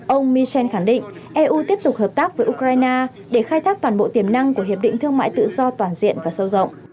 ông michel khẳng định eu tiếp tục hợp tác với ukraine để khai thác toàn bộ tiềm năng của hiệp định thương mại tự do toàn diện và sâu rộng